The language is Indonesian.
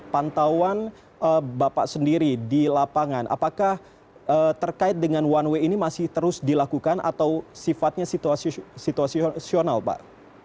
pantauan bapak sendiri di lapangan apakah terkait dengan one way ini masih terus dilakukan atau sifatnya situasional pak